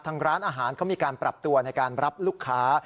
ร้านอาหารเขามีการปรับตัวในการรับลูกค้า